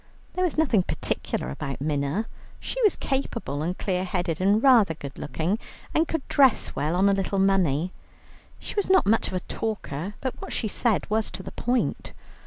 There was nothing particular about Minna. She was capable, and clear headed, and rather good looking, and could dress well on a little money. She was not much of a talker, but what she said was to the point.